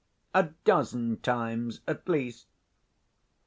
a dozen times at least.